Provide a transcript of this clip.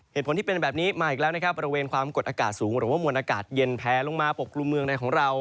เหตุผลที่เป็นแบบนี้มาอีกแล้วนะครับบริเวณความกดอากาศสูงหรือว่ามวลอากาศเย็นแพลลงมาปกกลุ่มเมืองในของเรา